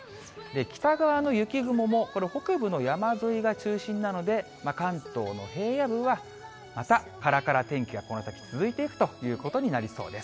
北側の雪雲も、これ北部の山沿いが中心なので、関東の平野部はまた、からから天気がこの先続いていくということになりそうです。